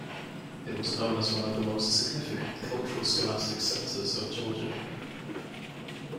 It was known as one of the most significant cultural-scholastic centres of Georgia.